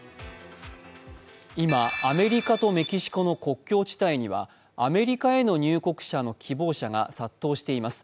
今、アメリカとメキシコの国境地帯にはアメリカへの入国者の希望者が殺到しています。